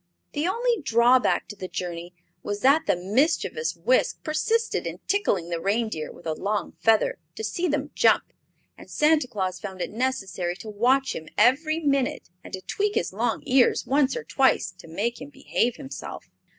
The only drawback to the journey was that the mischievous Wisk persisted in tickling the reindeer with a long feather, to see them jump; and Santa Claus found it necessary to watch him every minute and to tweak his long ears once or twice to make him behave himself.